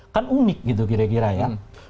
kan unik gitu kira kira ya